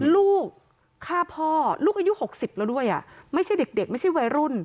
ลูกฆ่าพ่อลูกอายุ๖๐แล้วด้วยไม่ใช่เด็กไม่ใช่วัยรุ่น